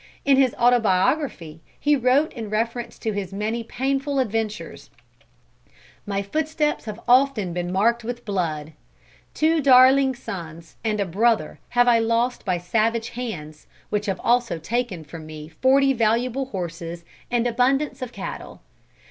In his autobiography he wrote in reference to his many painful adventures: "My footsteps have often been marked with blood. Two darling sons and a brother have I lost by savage hands, which have also taken from me forty valuable horses and abundance of cattle.